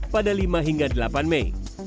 pada lima hingga delapan mei